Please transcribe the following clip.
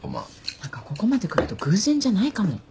何かここまでくると偶然じゃないかも。